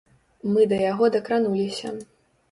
Мы да яго дакрануліся!